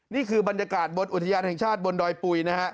นี่คือบรรยากาศบนอุทยานแห่งชาติบนดอยปุ๋ยนะฮะ